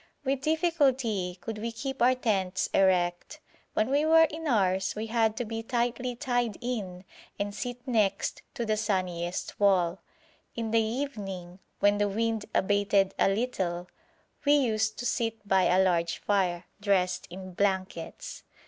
With difficulty could we keep our tents erect; when we were in ours we had to be tightly tied in and sit next to the sunniest wall; in the evening when the wind abated a little we used to sit by a large fire, dressed in blankets.